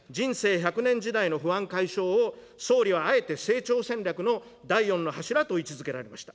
百年時代の不安解消を、総理はあえて成長戦略の第４の柱と位置づけられました。